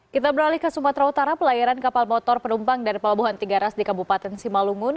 kita beralih ke sumatera utara pelayaran kapal motor penumpang dari pelabuhan tiga ras di kabupaten simalungun